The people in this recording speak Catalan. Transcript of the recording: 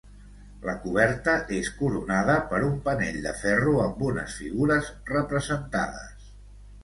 La coberta és coronada per un penell de ferro amb unes figures representades.